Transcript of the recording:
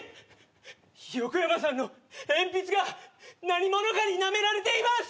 ヨコヤマさんの鉛筆が何者かになめられています！